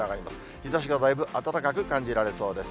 日ざしがだいぶ暖かく感じられそうです。